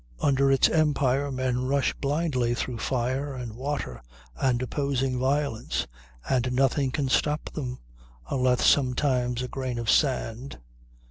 Under its empire men rush blindly through fire and water and opposing violence, and nothing can stop them unless, sometimes, a grain of sand.